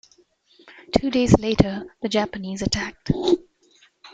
Two days later, the Japanese attacked.